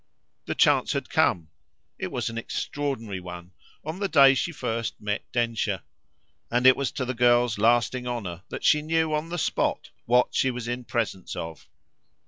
The chance had come it was an extraordinary one on the day she first met Densher; and it was to the girl's lasting honour that she knew on the spot what she was in presence of.